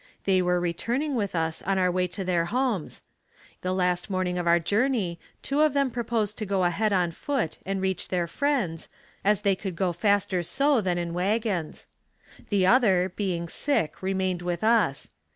They were returning with us on their way to their homes. The last morning of our journey two of them proposed to go ahead on foot and reach their friends, as they could go faster so, than in wagons. The other, being sick, remained with us.